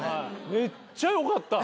めっちゃ良かった！